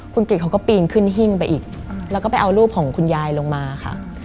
คุณกริจเขาก็ปีนขึ้นหิ้งไปอีกแล้วก็ไปเอารูปของคุณยายลงมาค่ะ